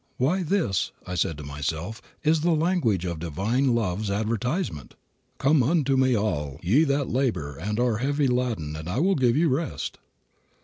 "Why, this," I said to myself, "is the language of Divine Love's advertisement. 'Come unto me all ye that labor and are heavy laden and I will give you rest.'